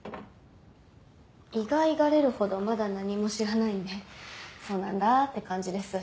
意外がれるほどまだ何も知らないんでそうなんだって感じです。